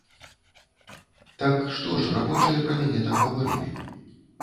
Так, што ж рабочыя пра мяне там гаварылі?